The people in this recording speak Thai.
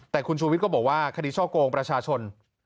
แต่คุณชูวิทย์ก็บอกว่าคดีช่อกงประชาชน